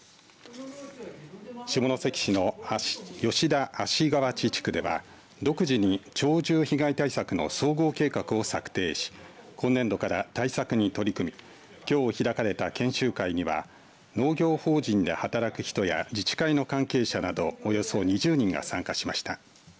下関市の吉田足河内地区では独自に鳥獣被害対策の総合計画を策定し今年度から対策に取り組みきょう開かれた研修会には農業法人で働く人や自治会の関係者などおよそ２０人が参加しました。